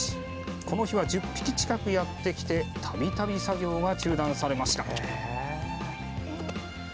この日は１０匹近くやってきてたびたび作業が中断されました。